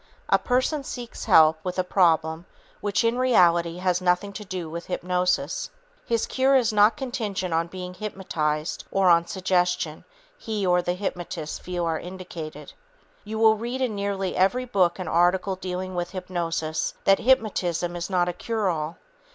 A person seeks help with a problem which, in reality, has nothing to do with hypnosis. His cure is not contingent on being hypnotized or on suggestions he or the hypnotist feel are indicated. You will read in nearly every book and article dealing with hypnosis that "hypnotism is not a cure all."